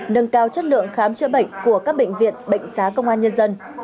nâng cao chất lượng khám chữa bệnh của các bệnh viện bệnh xá công an nhân dân